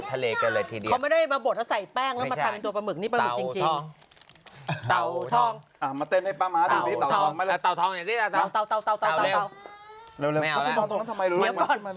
ไม่เอาแล้วเอาเดี๋ยวมันน่าจะขึ้นมาเลย